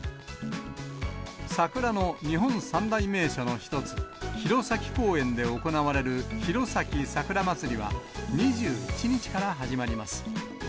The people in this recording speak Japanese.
桜の日本三大名所の１つ、弘前公園で行われる弘前さくらまつりは、２１日から始まります。